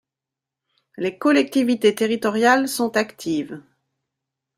Les collectivités territoriales sont actives.